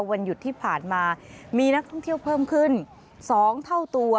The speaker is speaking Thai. วันหยุดที่ผ่านมามีนักท่องเที่ยวเพิ่มขึ้น๒เท่าตัว